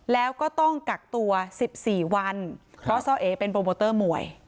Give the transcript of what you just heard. แล้วก็ต้องกักตัว๑๔วันเพราะซ่อเอเป็นโปรโมเตอร์มวย